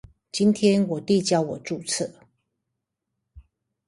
今天我弟教我註冊